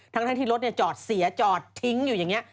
ทั้งที่รถจอดเสียจอดทิ้งอยู่อย่างนี้